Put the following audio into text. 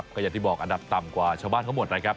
ก็อย่างที่บอกอันดับต่ำกว่าชาวบ้านเขาหมดนะครับ